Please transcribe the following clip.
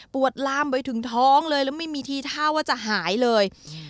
ลามไปถึงท้องเลยแล้วไม่มีทีท่าว่าจะหายเลย